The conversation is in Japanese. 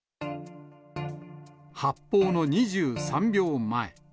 発砲の２３秒前。